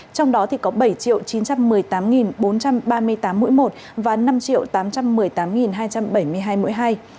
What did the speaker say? trong đó có bảy chín trăm một mươi tám bốn trăm ba mươi tám mũi một và năm tám trăm một mươi tám hai trăm bảy mươi hai mũi hai